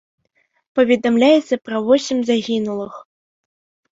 Паведамляецца пра восем загінулых.